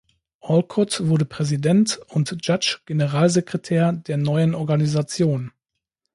Olcott wurde Präsident und Judge Generalsekretär der neuen Organisation.